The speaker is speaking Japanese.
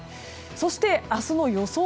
そして、明日の予想